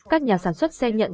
các nhà sản xuất xe nhận